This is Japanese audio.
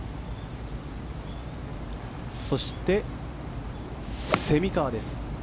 そして蝉川です。